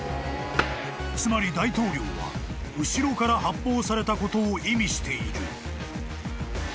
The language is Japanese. ［つまり大統領は後ろから発砲されたことを意味している］